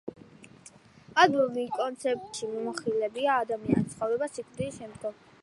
ალბომი კონცეპტუალურია, მასში მიმოიხილება ადამიანის ცხოვრება სიკვდილის შემდგომ.